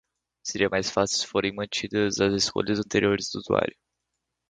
Seria mais fácil se fossem mantidas as escolhas anteriores do usuário.